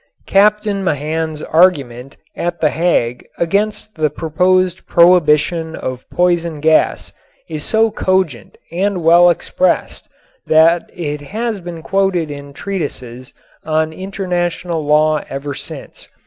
Captain Mahan's argument at The Hague against the proposed prohibition of poison gas is so cogent and well expressed that it has been quoted in treatises on international law ever since.